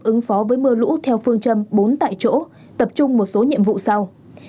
ứng phó với mưa lũ theo phương châm bốn tại chỗ tập trung một số nhiệm vụ sau